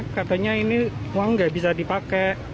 katanya ini uang nggak bisa dipakai